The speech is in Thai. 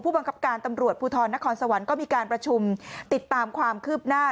บังคับการตำรวจภูทรนครสวรรค์ก็มีการประชุมติดตามความคืบหน้า